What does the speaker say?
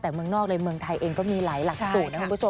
แต่เมืองนอกในเมืองไทยเองก็มีหลายหลักสูตรนะคุณผู้ชม